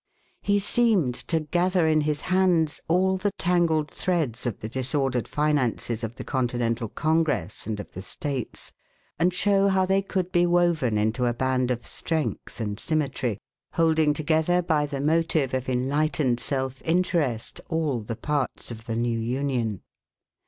He seemed to gather in his hands all the tangled threads of the disordered finances of the Continental Congress and of the states and show how they could be woven into a band of strength and symmetry, holding together by the motive of enlightened self interest all the parts of the new Union.